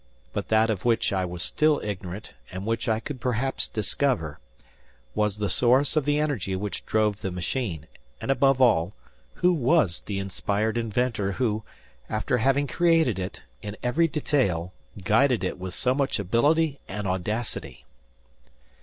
But that of which I was still ignorant, and which I could perhaps discover, was the source of the energy which drove the machine, and above all, who was the inspired inventor who, after having created it, in every detail, guided it with so much ability and audacity!